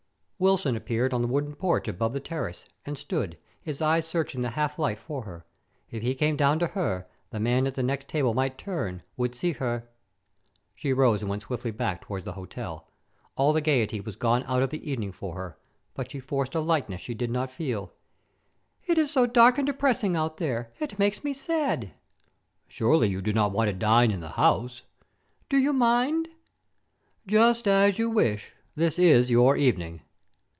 Wilson appeared on the wooden porch above the terrace, and stood, his eyes searching the half light for her. If he came down to her, the man at the next table might turn, would see her She rose and went swiftly back toward the hotel. All the gayety was gone out of the evening for her, but she forced a lightness she did not feel: "It is so dark and depressing out there it makes me sad." "Surely you do not want to dine in the house?" "Do you mind?" "Just as you wish. This is your evening."